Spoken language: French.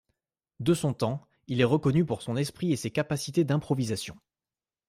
De son temps, il est reconnu pour son esprit et ses capacités d’improvisation.